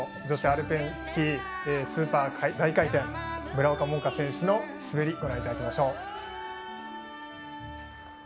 女子アルペンスキースーパー大回転村岡桃佳選手の滑りご覧いただきましょう。